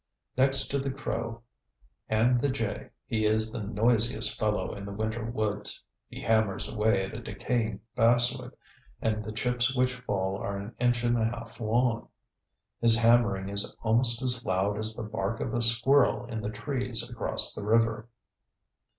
Next to the crow and the jay he is the noisiest fellow in the winter woods. He hammers away at a decaying basswood and the chips which fall are an inch and a half long. His hammering is almost as loud as the bark of a squirrel in the trees across the river.